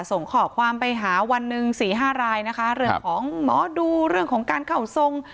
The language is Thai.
ส่งข้อความไปหาวันหนึ่งสี่ห้ารายนะคะเรื่องของหมอดูเรื่องของการเข้าทรง